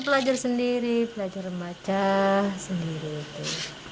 belajar sendiri belajar baca sendiri